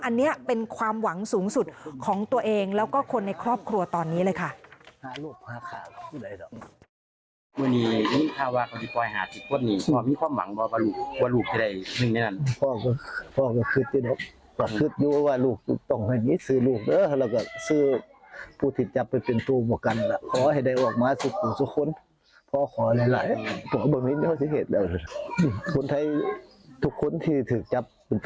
อันนี้เป็นความหวังสูงสุดของตัวเองแล้วก็คนในครอบครัวตอนนี้เลยค่ะ